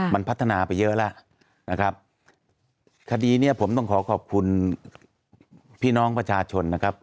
มันพัฒนาไปเยอะแล้วนะครับคดีเนี้ยผมต้องขอขอบคุณพี่น้องประชาชนนะครับ